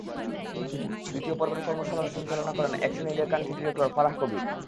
দ্বিতীয় পর্বের কর্মশালার সঞ্চালনা করেন অ্যাকশন এইডের কান্ট্রি ডিরেক্টর ফারাহ কবীর।